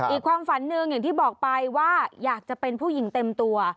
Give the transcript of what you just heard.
อีกความฝันหนึ่งอย่างที่บอกไปว่าอยากจะเป็นผู้หญิงเต็มตัว